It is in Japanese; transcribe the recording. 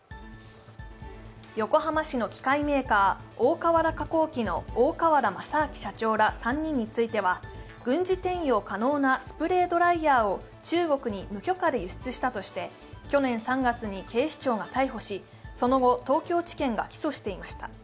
横浜市の機械メーカー、大川原化工機の大川原正明社長ら３人については軍事転用可能なスプレードライヤーを中国に無許可で輸出したとして去年３月、逮捕され、その後、東京地検が起訴していました。